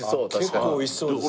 結構美味しそうですね。